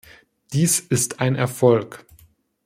Dies ist ein Erfolg.